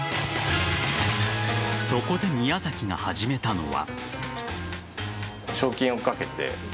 そこで宮崎が始めたのは。